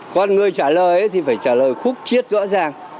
còn người trả lời thì phải trả lời khúc chiết rõ ràng